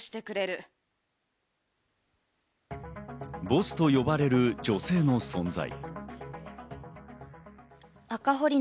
ボスと呼ばれる女性の存在。